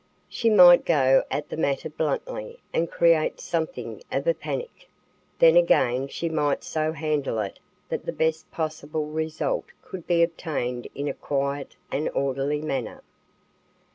She might go at the matter bluntly and create something of a panic; then again she might so handle it that the best possible result could be obtained in a quiet and orderly manner.